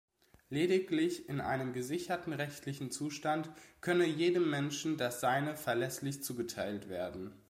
Lediglich in einem gesicherten rechtlichen Zustand könne jedem Menschen das Seine verlässlich zugeteilt werden.